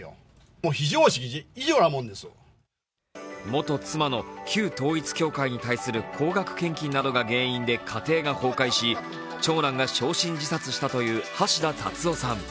元妻の旧統一教会に対する高額献金などが原因で家庭が崩壊し、長男が焼身自殺したという橋田達夫さん。